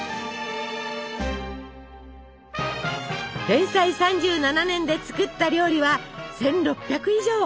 連載３７年で作った料理は１，６００以上。